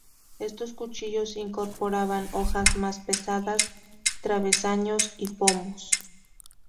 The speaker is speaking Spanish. Estos cuchillos incorporaban hojas más pesadas, travesaños y pomos.